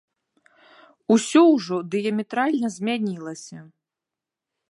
Усё ўжо дыяметральна змянілася.